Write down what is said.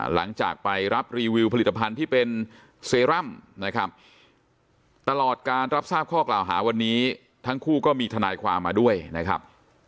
หลังจากไปรับรีวิวผลิตภัณฑ์ที่เป็นเซรั่มนะครับตลอดการรับทราบข้อกล่าวหาวันนี้ทั้งคู่ก็มีทนายความมาด้วยนะครับ